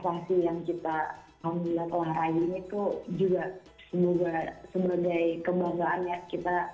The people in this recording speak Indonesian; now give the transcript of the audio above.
ya mungkin prestasi yang kita melihat lah hari ini tuh juga sebagai kebanggaannya kita